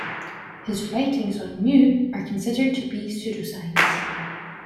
His writings on Mu are considered to be pseudoscience.